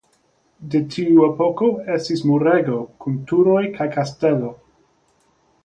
De tiu epoko estis murego kun turoj kaj kastelo.